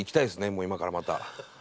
もう今からまた。